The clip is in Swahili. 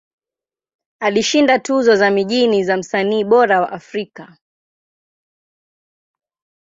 Alishinda tuzo za mijini za Msanii Bora wa Afrika.